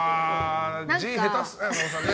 字が下手っすね。